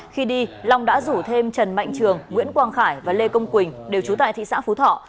khi đi long đã rủ thêm trần mạnh trường nguyễn quang khải và lê công quỳnh đều trú tại thị xã phú thọ